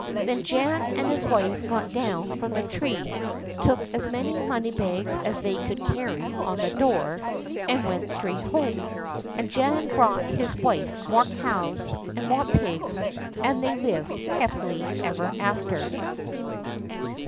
Then Jan and his wife got down from the tree, took as many moneybags as they could carry on the door, and went straight home. And Jan bought his wife more cows, and more pigs, and they lived happy ever after.